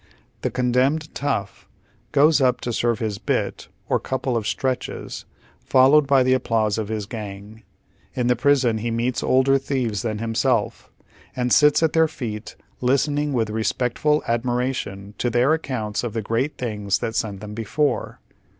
The condemned tough goes up to serve his " bit " or couple of " stretches," followed by the applause of his gang. In the prison he meets older thieves than himself, and sits at their feet listening with respectful admiration to their accounts of the great do ings that sent them before.